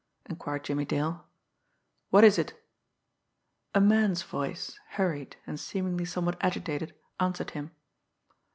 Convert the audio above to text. inquired Jimmie Dale. "What is it?" A man's voice, hurried, and seemingly somewhat agitated, answered him.